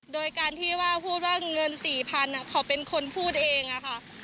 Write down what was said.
โดยการที่ว่าพูดว่าเงิน๔๐๐๐เขาเป็นคนพูดเองอะค่ะ